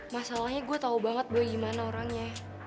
masalahnya gue tau banget gue gimana orangnya